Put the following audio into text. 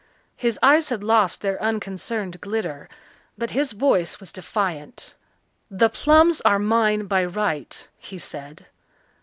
His eyes had lost their unconcerned glitter, but his voice was defiant. "The plums are mine by right," he said.